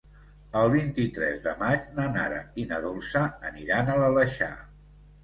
El vint-i-tres de maig na Nara i na Dolça aniran a l'Aleixar.